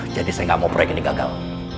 jadi saya nggak mau proyek ini gagal